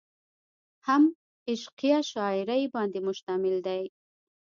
هم عشقيه شاعرۍ باندې مشتمل دي ۔